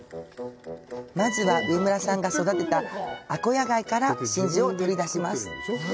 まずは、上村さんが育てたアコヤ貝から真珠を取り出します。